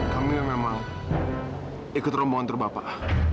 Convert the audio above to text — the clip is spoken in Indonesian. kami yang memang ikut rombongan tur bapak